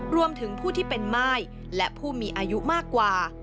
รวมถึงผู้ที่เป็นม่ายและผู้มีอายุมากกว่า